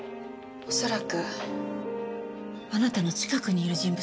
恐らくあなたの近くにいる人物です。